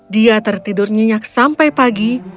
dia tertidur nyenyak sampai pagi